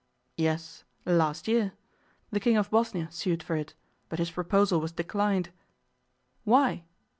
'Yes. Last year. The King of Bosnia sued for it, but his proposal was declined.' 'Why?